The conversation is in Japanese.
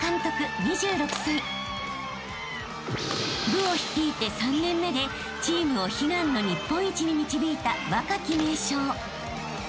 ［部を率いて３年目でチームを悲願の日本一に導いた若き名将］